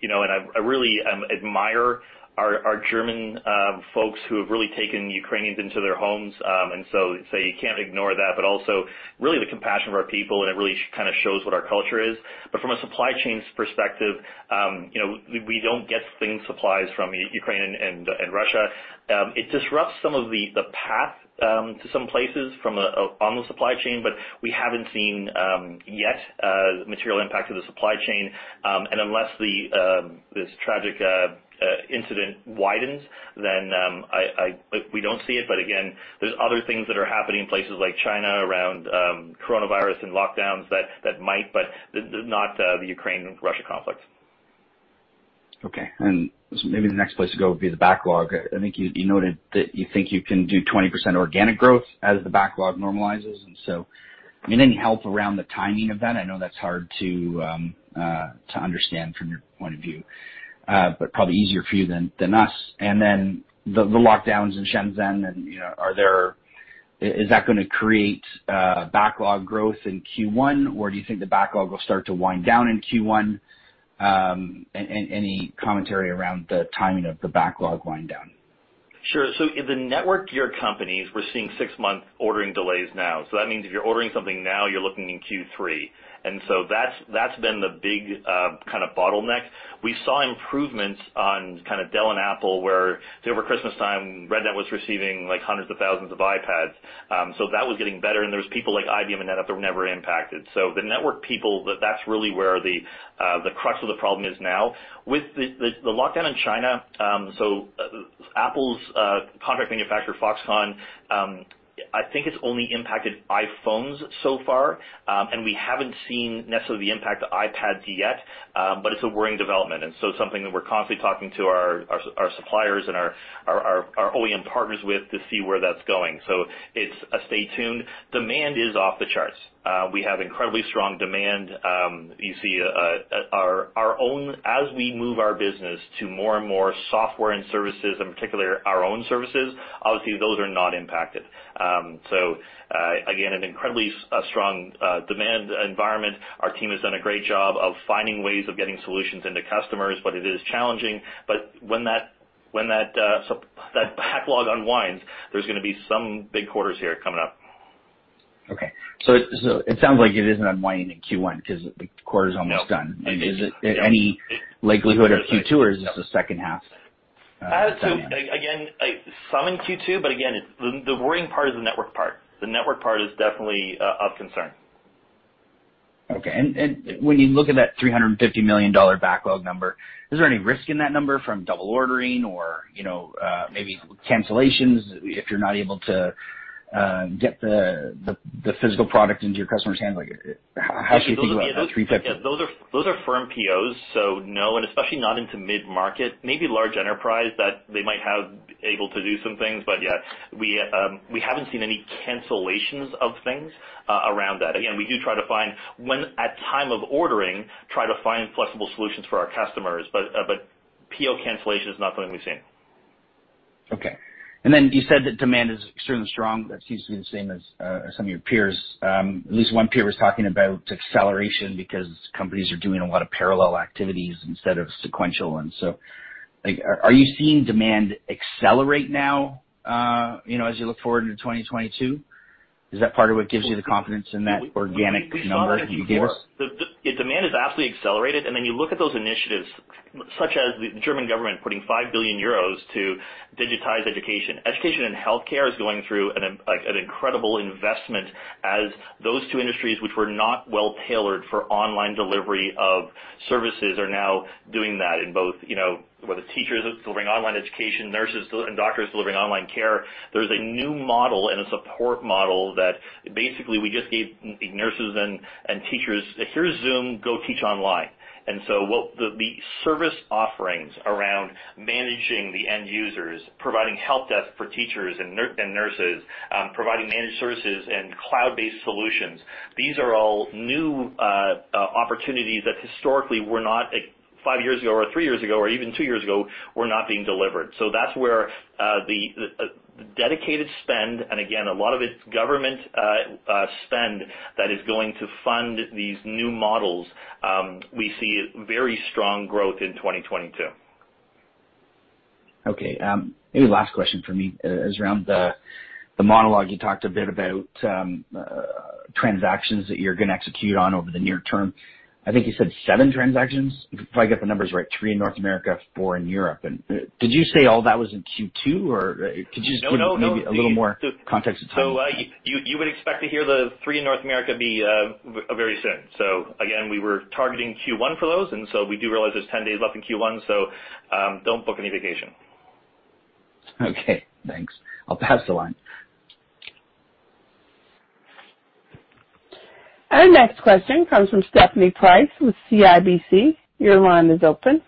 you know, and I really admire our German folks who have really taken Ukrainians into their homes, and you can't ignore that. Also, really the compassion of our people, and it really kinda shows what our culture is. From a supply chain perspective, you know, we don't get things, supplies from Ukraine and Russia. It disrupts some of the path to some places from a on the supply chain, but we haven't seen yet material impact to the supply chain. Unless this tragic incident widens, then I We don't see it, but again, there's other things that are happening in places like China around coronavirus and lockdowns that might, but not the Ukraine-Russia conflict. Okay. Maybe the next place to go would be the backlog. I think you noted that you think you can do 20% organic growth as the backlog normalizes. I mean, any help around the timing of that? I know that's hard to understand from your point of view, but probably easier for you than us. The lockdowns in Shenzhen and, you know, are there, is that gonna create backlog growth in Q1, or do you think the backlog will start to wind down in Q1? Any commentary around the timing of the backlog winding down. Sure. In the network gear companies, we're seeing six-month ordering delays now. That means if you're ordering something now, you're looking in Q3. That's been the big kind of bottleneck. We saw improvements on kinda Dell and Apple, where say over Christmastime, REDNET was receiving like hundreds of thousands of iPads. That was getting better. There's people like IBM and NetApp that were never impacted. The network people, that's really where the crux of the problem is now. With the lockdown in China, Apple's contract manufacturer, Foxconn, I think it's only impacted iPhones so far. We haven't seen necessarily the impact to iPads yet, but it's a worrying development, so something that we're constantly talking to our suppliers and our OEM partners with to see where that's going. Stay tuned. Demand is off the charts. We have incredibly strong demand. As we move our business to more and more software and services, in particular our own services, obviously, those are not impacted. Again, an incredibly strong demand environment. Our team has done a great job of finding ways of getting solutions into customers, but it is challenging. When that backlog unwinds, there's gonna be some big quarters here coming up. Okay. It sounds like it isn't unwinding in Q1 'cause the quarter's almost done. No. Is there any likelihood of Q2, or is this the second half? Again, like some in Q2, but again, it, the worrying part is the network part. The network part is definitely of concern. Okay. When you look at that 350 million dollar backlog number, is there any risk in that number from double ordering or, you know, maybe cancellations if you're not able to get the physical product into your customer's hands? Like, how should you think about that 350? Those are firm POs, so no. Especially not into mid-market. Maybe in large enterprise that they might be able to do some things, but yeah. We haven't seen any cancellations of things around that. Again, we do try to find flexible solutions for our customers when at time of ordering, but PO cancellation is not something we've seen. Okay. Then you said that demand is extremely strong. That seems to be the same as some of your peers. At least one peer was talking about acceleration because companies are doing a lot of parallel activities instead of sequential. Like, are you seeing demand accelerate now, you know, as you look forward into 2022? Is that part of what gives you the confidence in that organic number that you gave us? The demand is absolutely accelerated, and then you look at those initiatives, such as the German government putting 5 billion euros to digitize education. Education and healthcare is going through like an incredible investment as those two industries, which were not well-tailored for online delivery of services, are now doing that in both, you know, whether it's teachers delivering online education, nurses and doctors delivering online care. There's a new model and a support model that basically we just gave nurses and teachers, "Here's Zoom, go teach online." What the service offerings around managing the end users, providing helpdesk for teachers and nurses, providing managed services and cloud-based solutions, these are all new opportunities that historically were not, like five years ago or three years ago or even two years ago, were not being delivered. That's where the dedicated spend, and again, a lot of it's government spend that is going to fund these new models. We see very strong growth in 2022. Okay. Maybe last question from me is around the monologue. You talked a bit about transactions that you're gonna execute on over the near term. I think you said seven transactions. If I get the numbers right, three in North America, four in Europe. Did you say all that was in Q2, or could you just give maybe a little more context of timing? You would expect to hear the three in North America very soon. Again, we were targeting Q1 for those, and so we do realize there's 10 days left in Q1, so don't book any vacation. Okay, thanks. I'll pass the line. Our next question comes from Stephanie Price with CIBC. Your line is open.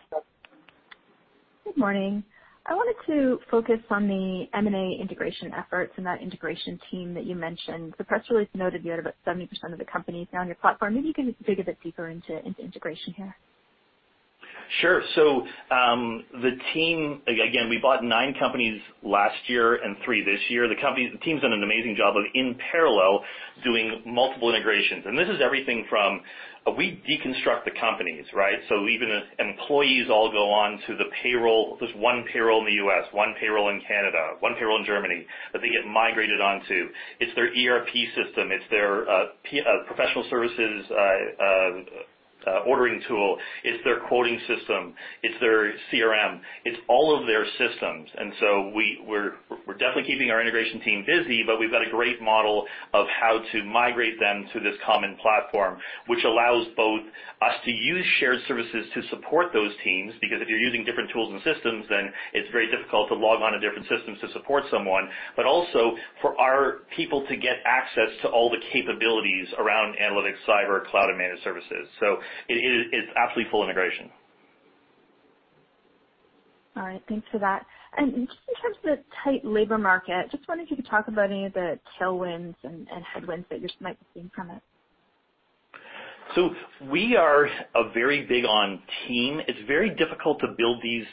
Good morning. I wanted to focus on the M&A integration efforts and that integration team that you mentioned. The press release noted you had about 70% of the companies now on your platform. Maybe you can dig a bit deeper into integration here. Sure. The team—again, we bought nine companies last year and three this year. The team's done an amazing job of, in parallel, doing multiple integrations. This is everything from we deconstruct the companies, right? Even the employees all go on to the payroll. There's one payroll in the U.S., one payroll in Canada, one payroll in Germany that they get migrated onto. It's their ERP system, it's their professional services ordering tool, it's their quoting system, it's their CRM, it's all of their systems. We're definitely keeping our integration team busy, but we've got a great model of how to migrate them to this common platform, which allows both us to use shared services to support those teams, because if you're using different tools and systems, then it's very difficult to log on to different systems to support someone. But also for our people to get access to all the capabilities around analytics, cyber, cloud, and managed services. It is absolutely full integration. All right. Thanks for that. Just in terms of the tight labor market, just wondering if you could talk about any of the tailwinds and headwinds that you might be seeing from it. We are very big on team. It's very difficult to build these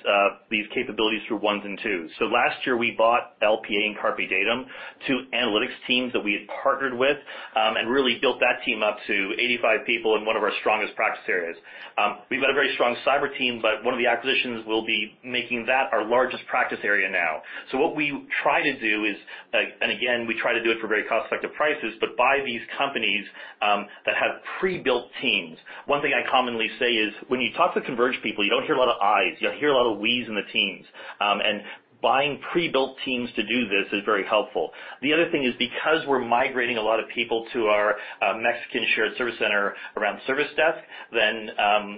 capabilities through ones and twos. Last year we bought LPA and CarpeDatum LLC, two analytics teams that we had partnered with, and really built that team up to 85 people in one of our strongest practice areas. We've got a very strong cyber team, but one of the acquisitions will be making that our largest practice area now. What we try to do is, and again, we try to do it for very cost-effective prices, but buy these companies that have pre-built teams. One thing I commonly say is, when you talk to Converge people, you don't hear a lot of I's, you hear a lot of we's in the teams. Buying pre-built teams to do this is very helpful. The other thing is, because we're migrating a lot of people to our Mexican shared service center around service desk, then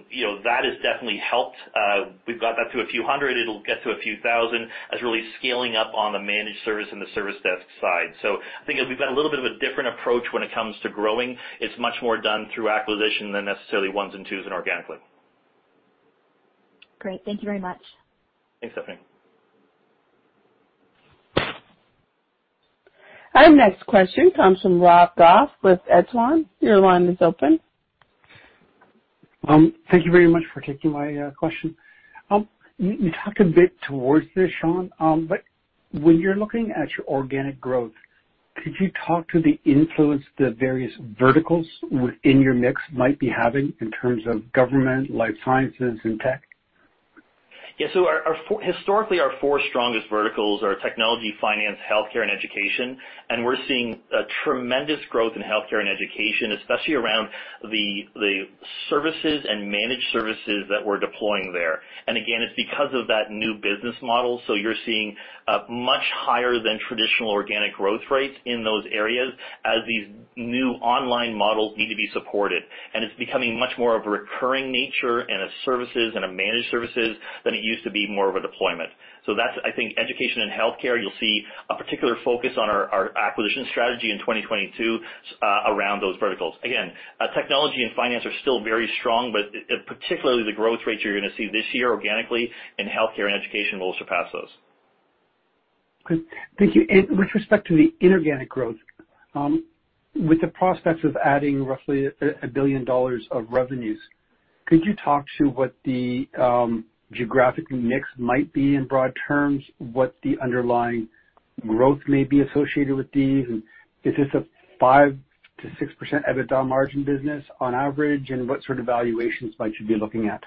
you know that has definitely helped. We've got that to a few hundred; it'll get to a few thousand as we're really scaling up on the managed service and the service desk side. I think we've got a little bit of a different approach when it comes to growing. It's much more done through acquisition than necessarily ones and twos and organically. Great. Thank you very much. Thanks, Stephanie. Our next question comes from Rob Goff with Echelon. Your line is open. Thank you very much for taking my question. You talked a bit toward this, Shaun, when you're looking at your organic growth, could you talk to the influence the various verticals within your mix might be having in terms of government, life sciences, and tech? Historically, our four strongest verticals are technology, finance, healthcare, and education. We're seeing a tremendous growth in healthcare and education, especially around the services and managed services that we're deploying there. Again, it's because of that new business model. You're seeing a much higher than traditional organic growth rates in those areas as these new online models need to be supported. It's becoming much more of a recurring nature and a services and a managed services than it used to be more of a deployment. I think education and healthcare, you'll see a particular focus on our acquisition strategy in 2022 around those verticals. Again, technology and finance are still very strong, but particularly the growth rates you're gonna see this year organically in healthcare and education will surpass those. Great. Thank you. With respect to the inorganic growth, with the prospects of adding roughly a billion dollars of revenues, could you talk to what the geographic mix might be in broad terms, what the underlying growth may be associated with these? Is this a 5%-6% EBITDA margin business on average, and what sort of valuations might you be looking at?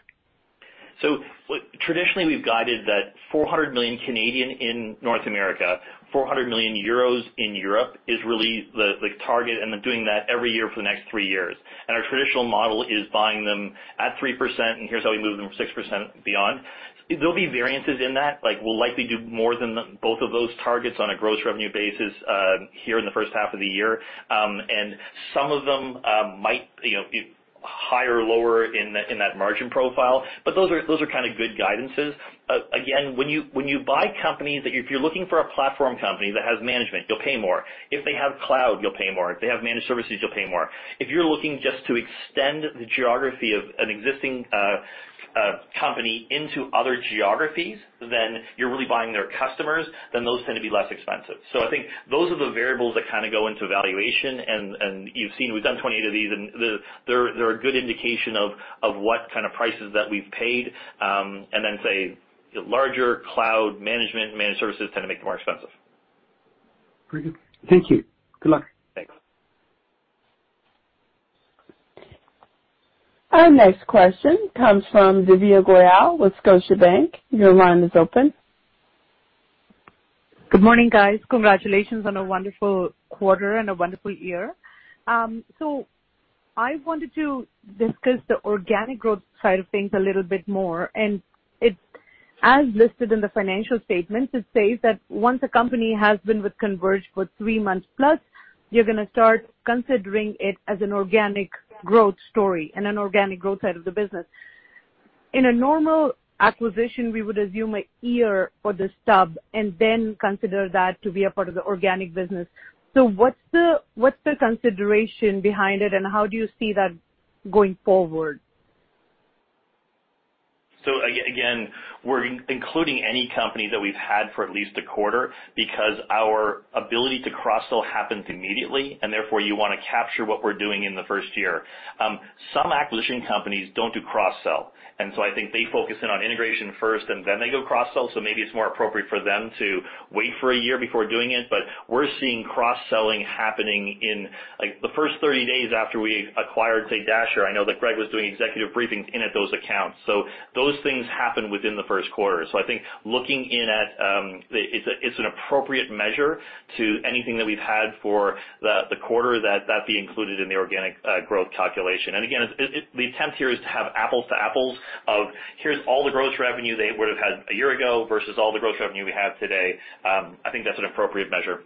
Traditionally we've guided that 400 million in North America, 400 million euros in Europe is really the target, and then doing that every year for the next three years. Our traditional model is buying them at 3%, and here's how we move them 6% beyond. There'll be variances in that. Like, we'll likely do more than both of those targets on a gross revenue basis here in the first half of the year. And some of them might, you know, be higher or lower in that margin profile. But those are kind of good guidances. Again, when you buy companies that. If you're looking for a platform company that has management, you'll pay more. If they have cloud, you'll pay more. If they have managed services, you'll pay more. If you're looking just to extend the geography of an existing company into other geographies, then you're really buying their customers, then those tend to be less expensive. I think those are the variables that kind of go into valuation. You've seen we've done 28 of these and they're a good indication of what kind of prices that we've paid, and then say larger cloud management, managed services tend to make it more expensive. Very good. Thank you. Good luck. Thanks. Our next question comes from Divya Goyal with Scotiabank. Your line is open. Good morning, guys. Congratulations on a wonderful quarter and a wonderful year. I wanted to discuss the organic growth side of things a little bit more, and it's as listed in the financial statements, it says that once a company has been with Converge for three months plus, you're gonna start considering it as an organic growth story and an organic growth side of the business. In a normal acquisition, we would assume a year for the stub and then consider that to be a part of the organic business. What's the consideration behind it, and how do you see that going forward. Again, we're including any company that we've had for at least a quarter because our ability to cross-sell happens immediately, and therefore you wanna capture what we're doing in the first year. Some acquisition companies don't do cross-sell, and I think they focus in on integration first and then they go cross-sell, so maybe it's more appropriate for them to wait for a year before doing it. But we're seeing cross-selling happening in, like, the first 30 days after we acquired, say, Dasher. I know that Greg was doing executive briefings in at those accounts. Those things happen within the first quarter. I think looking in at it's an appropriate measure to anything that we've had for the quarter that be included in the organic growth calculation. The attempt here is to have apples to apples of here's all the gross revenue they would've had a year ago versus all the gross revenue we have today. I think that's an appropriate measure.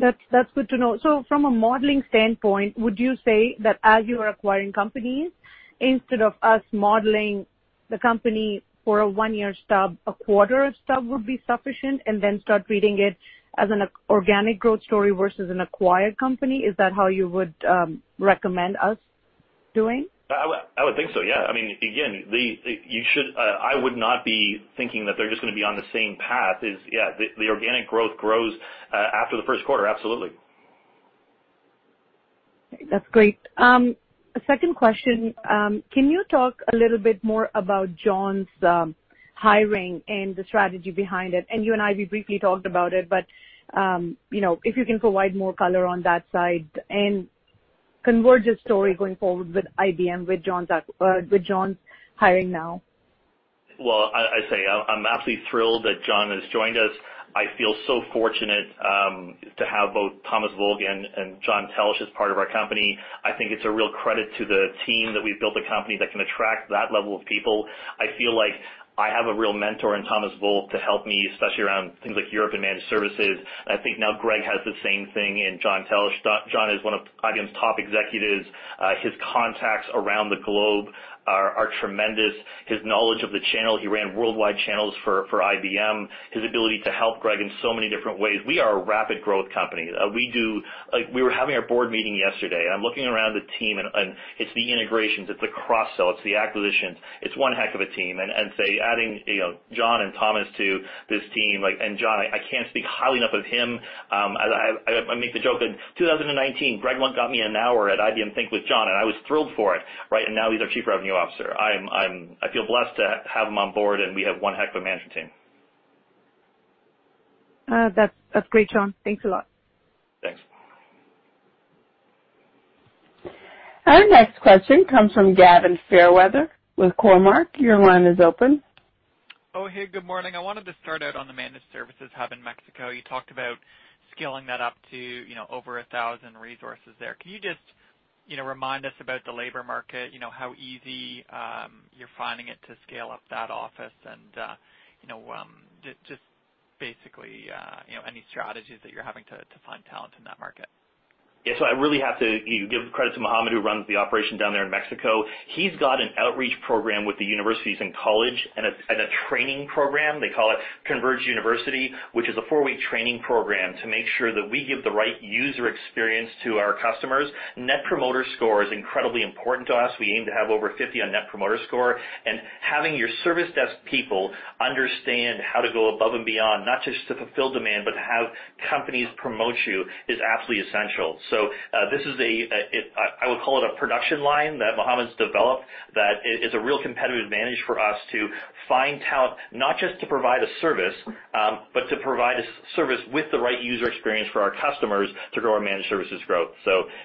That's good to know. From a modeling standpoint, would you say that as you are acquiring companies, instead of us modeling the company for a one-year stub, a quarter stub would be sufficient and then start treating it as an organic growth story versus an acquired company? Is that how you would recommend us doing? I would think so, yeah. I mean, again, I would not be thinking that they're just gonna be on the same path as the organic growth grows after the first quarter, absolutely. That's great. Second question. Can you talk a little bit more about John's hiring and the strategy behind it? You and I, we briefly talked about it, but you know, if you can provide more color on that side and Converge's story going forward with IBM, with John's hiring now. Well, I say I'm absolutely thrilled that John has joined us. I feel so fortunate to have both Thomas Volk and John Teltsch as part of our company. I think it's a real credit to the team that we've built a company that can attract that level of people. I feel like I have a real mentor in Thomas Volk to help me, especially around things like Europe and managed services. I think now Greg has the same thing in John Teltsch. John is one of IBM's top executives. His contacts around the globe are tremendous. His knowledge of the channel, he ran worldwide channels for IBM. His ability to help Greg in so many different ways. We are a rapid growth company. We do Like, we were having our board meeting yesterday, and I'm looking around the team and it's the integrations, it's the cross-sells, it's the acquisitions. It's one heck of a team. Say, adding, you know, John and Thomas to this team, like, and John, I can't speak highly enough of him. As I make the joke that 2019, Greg once got me an hour at IBM Think with John, and I was thrilled for it, right? Now he's our Chief Revenue Officer. I feel blessed to have him on board, and we have one heck of a management team. That's great, Shaun. Thanks a lot. Thanks. Our next question comes from Gavin Fairweather with Cormark. Your line is open. Oh, hey, good morning. I wanted to start out on the managed services hub in Mexico. You talked about scaling that up to, you know, over 1,000 resources there. Can you just, you know, remind us about the labor market? You know, how easy you're finding it to scale up that office and, you know, just basically any strategies that you're having to find talent in that market. Yeah. I really have to give credit to Mohammed, who runs the operation down there in Mexico. He's got an outreach program with the universities and college and a training program. They call it Converge University, which is a four-week training program to make sure that we give the right user experience to our customers. Net Promoter Score is incredibly important to us. We aim to have over 50 on Net Promoter Score. Having your service desk people understand how to go above and beyond, not just to fulfill demand, but to have companies promote you, is absolutely essential. This is, I would call it, a production line that Mohammed's developed that is a real competitive advantage for us to find talent, not just to provide a service, but to provide a service with the right user experience for our customers to grow our managed services growth.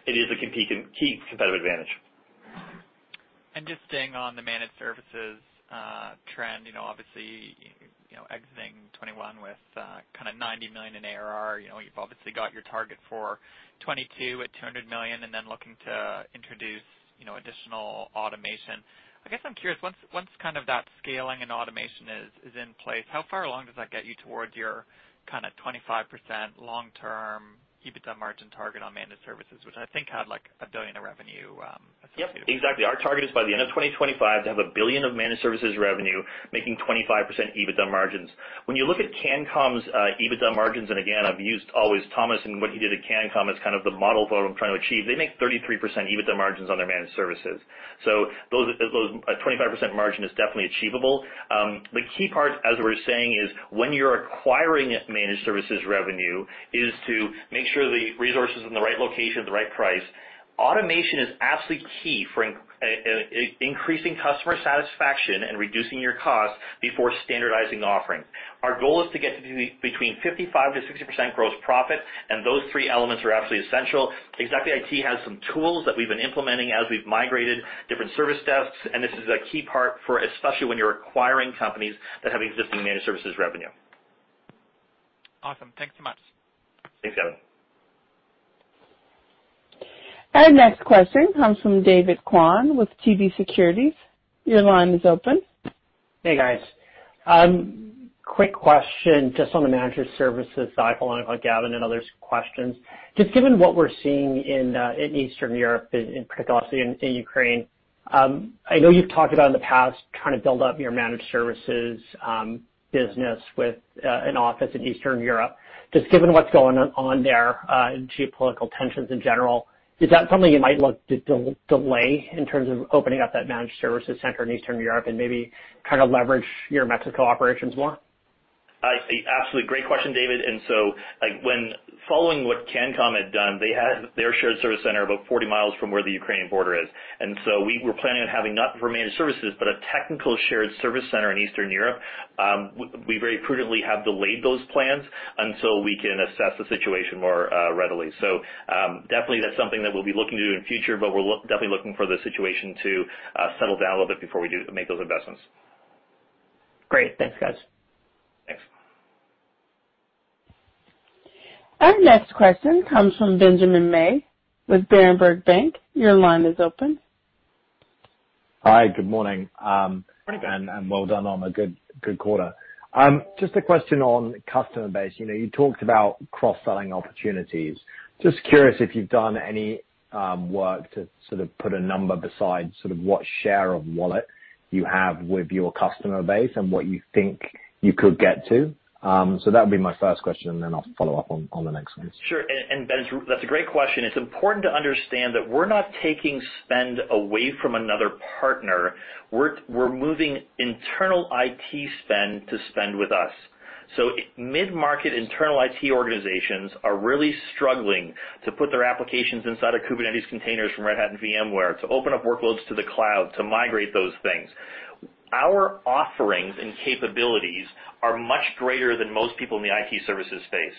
It is a key competitive advantage. Just staying on the managed services trend, you know, obviously, you know, exiting 2021 with kinda 90 million in ARR, you know, you've obviously got your target for 2022 at 200 million and then looking to introduce, you know, additional automation. I guess I'm curious, once kind of that scaling and automation is in place, how far along does that get you towards your kinda 25% long-term EBITDA margin target on managed services, which I think had like 1 billion in revenue associated with it? Yep, exactly. Our target is by the end of 2025 to have 1 billion of managed services revenue making 25% EBITDA margins. When you look at CANCOM's EBITDA margins, and again, I've used always Thomas Volk and what he did at CANCOM as kind of the model for what I'm trying to achieve. They make 33% EBITDA margins on their managed services. Those, a 25% margin is definitely achievable. The key part, as we're saying, is when you're acquiring managed services revenue is to make sure the resources in the right location at the right price. Automation is absolutely key for increasing customer satisfaction and reducing your cost before standardizing the offering. Our goal is to get to between 55%-60% gross profit, and those three elements are absolutely essential. ExactlyIT has some tools that we've been implementing as we've migrated different service desks, and this is a key part for especially when you're acquiring companies that have existing managed services revenue. Awesome. Thanks so much. Thanks, Gavin. Our next question comes from David Kwan with TD Securities. Your line is open. Hey, guys. Quick question just on the managed services cycle and on Gavin and others' questions. Just given what we're seeing in Eastern Europe, in particular, obviously in Ukraine. I know you've talked about in the past trying to build up your managed services business with an office in Eastern Europe. Just given what's going on there, geopolitical tensions in general, is that something you might look to delay in terms of opening up that managed services center in Eastern Europe and maybe kind of leverage your Mexico operations more? I see. Absolutely. Great question, David. Following what CANCOM had done, they had their shared service center about 40 miles from where the Ukrainian border is. We were planning on having not for managed services, but a technical shared service center in Eastern Europe. We very prudently have delayed those plans until we can assess the situation more readily. Definitely that's something that we'll be looking to do in future, but we're definitely looking for the situation to settle down a little bit before we do make those investments. Great. Thanks, guys. Thanks. Our next question comes from Benjamin May with Berenberg Bank. Your line is open. Hi, good morning. Good morning, Ben. Well done on a good quarter. Just a question on customer base. You know, you talked about cross-selling opportunities. Just curious if you've done any work to sort of put a number besides sort of what share of wallet you have with your customer base and what you think you could get to. That'd be my first question, and then I'll follow up on the next one. Sure. Ben, that's a great question. It's important to understand that we're not taking spend away from another partner. We're moving internal IT spend to spend with us. Mid-market internal IT organizations are really struggling to put their applications inside of Kubernetes containers from Red Hat and VMware, to open up workloads to the cloud, to migrate those things. Our offerings and capabilities are much greater than most people in the IT services space.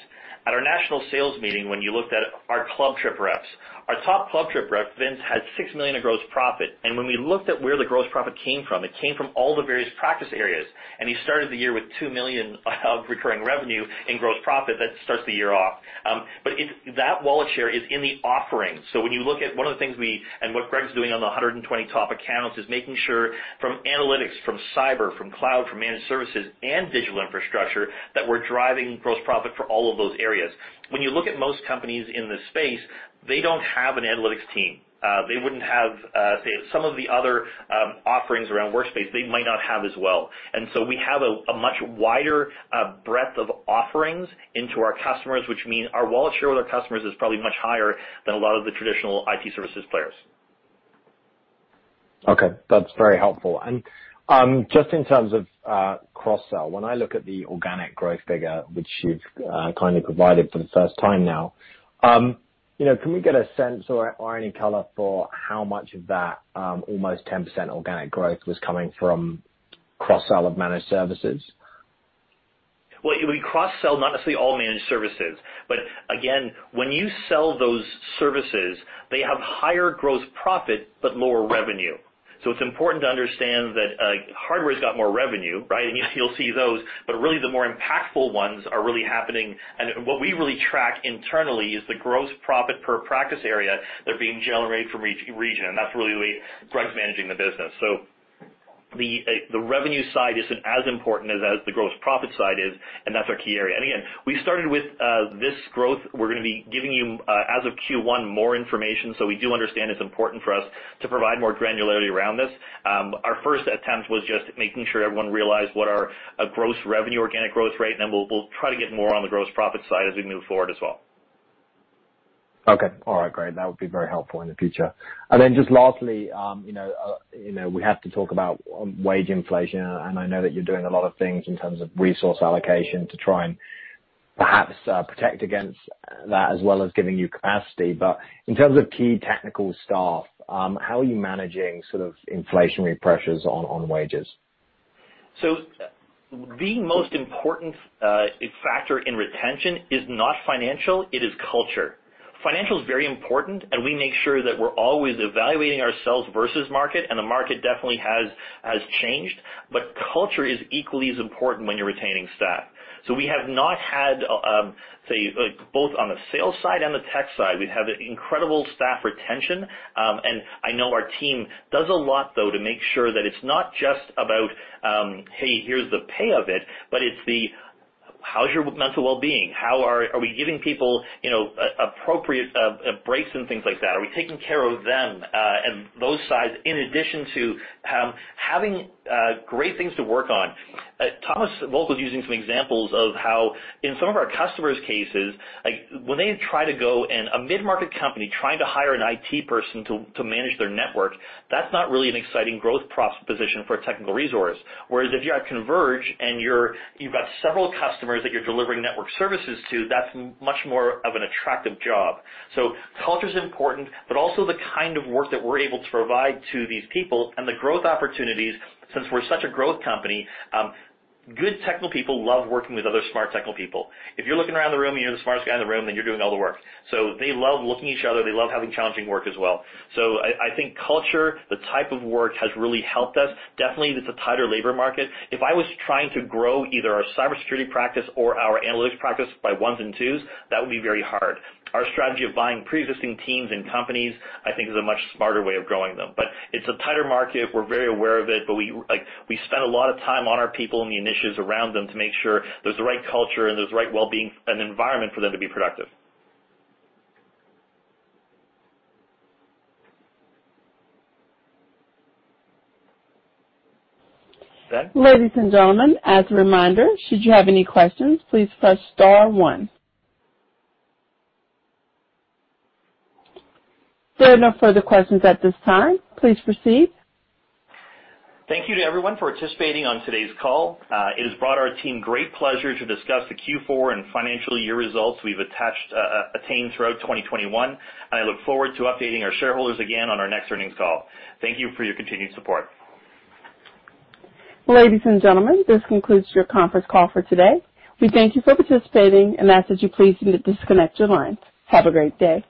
At our national sales meeting, when you looked at our club trip reps, our top club trip rep, Vince, had 6 million in gross profit, and when we looked at where the gross profit came from, it came from all the various practice areas. He started the year with 2 million of recurring revenue in gross profit that starts the year off. That wallet share is in the offering. When you look at one of the things and what Greg's doing on the 120 top accounts, is making sure from analytics, from cyber, from cloud, from managed services and digital infrastructure, that we're driving gross profit for all of those areas. When you look at most companies in this space, they don't have an analytics team. They wouldn't have, say, some of the other offerings around Workspace they might not have as well. We have a much wider breadth of offerings into our customers, which mean our wallet share with our customers is probably much higher than a lot of the traditional IT services players. Okay, that's very helpful. Just in terms of cross-sell, when I look at the organic growth figure, which you've kindly provided for the first time now, you know, can we get a sense or any color for how much of that almost 10% organic growth was coming from cross-sell of managed services? Well, we cross-sell not necessarily all managed services, but again, when you sell those services, they have higher gross profit but lower revenue. It's important to understand that, hardware's got more revenue, right? You'll see those, but really the more impactful ones are really happening. What we really track internally is the gross profit per practice area that are being generated from region, and that's really the way Greg's managing the business. The revenue side isn't as important as the gross profit side is, and that's our key area. Again, we started with this growth. We're gonna be giving you, as of Q1, more information. We do understand it's important for us to provide more granularity around this. Our first attempt was just making sure everyone realized what our gross revenue organic growth rate, and then we'll try to get more on the gross profit side as we move forward as well. Okay. All right, great. That would be very helpful in the future. Then just lastly, you know, you know, we have to talk about wage inflation, and I know that you're doing a lot of things in terms of resource allocation to try and perhaps protect against that as well as giving you capacity. But in terms of key technical staff, how are you managing sort of inflationary pressures on wages? The most important factor in retention is not financial, it is culture. Financial is very important, and we make sure that we're always evaluating ourselves versus market, and the market definitely has changed. Culture is equally as important when you're retaining staff. We have not had both on the sales side and the tech side, we have an incredible staff retention. I know our team does a lot, though, to make sure that it's not just about, hey, here's the pay of it, but it's the, how's your mental wellbeing? How are we giving people, you know, appropriate breaks and things like that? Are we taking care of them and those sides, in addition to having great things to work on. Thomas Volk was using some examples of how in some of our customers' cases, like when they try to go and a mid-market company trying to hire an IT person to manage their network, that's not really an exciting growth position for a technical resource. Whereas if you're at Converge and you've got several customers that you're delivering network services to, that's much more of an attractive job. Culture's important, but also the kind of work that we're able to provide to these people and the growth opportunities, since we're such a growth company, good technical people love working with other smart technical people. If you're looking around the room and you're the smartest guy in the room, then you're doing all the work. They love looking each other. They love having challenging work as well. I think culture, the type of work has really helped us. Definitely, it's a tighter labor market. If I was trying to grow either our cybersecurity practice or our analytics practice by ones and twos, that would be very hard. Our strategy of buying pre-existing teams and companies, I think, is a much smarter way of growing them. It's a tighter market. We're very aware of it, but we like, we spend a lot of time on our people and the initiatives around them to make sure there's the right culture and there's the right wellbeing and environment for them to be productive. Ben? Ladies and gentlemen, as a reminder, should you have any questions, please press star one. There are no further questions at this time. Please proceed. Thank you to everyone for participating on today's call. It has brought our team great pleasure to discuss the Q4 and financial year results we've attained throughout 2021, and I look forward to updating our shareholders again on our next earnings call. Thank you for your continued support. Ladies and gentlemen, this concludes your conference call for today. We thank you for participating and ask that you please disconnect your lines. Have a great day.